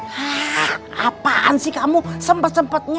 hah apaan sih kamu sempet sempetnya